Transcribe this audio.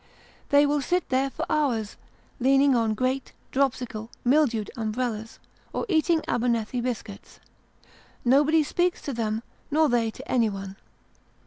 They will sit there, for hours, leaning on great, dropsical, mildewed umbrellas, or eating Abernethy biscuits. Nobody speaks to them, nor they to anyone.